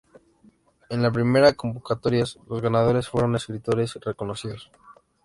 En las primeras convocatorias los ganadores fueron escritores reconocidos.